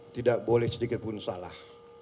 tidak boleh sedikitpun salah